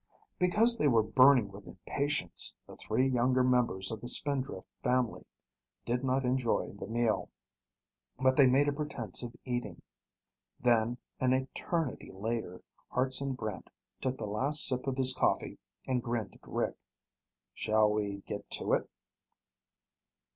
Because they were burning with impatience, the three younger members of the Spindrift family did not enjoy the meal, but they made a pretense of eating. Then, an eternity later, Hartson Brant took the last sip of his coffee and grinned at Rick. "Shall we get to it?"